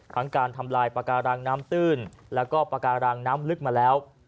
ทั้งการทำลายปาการางน้ำตื้นและปาการางน้ำลึกมาแล้ว